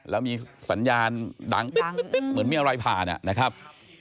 แล้วมีสัญญาณดังเหมือนมีอะไรผ่านนะครับ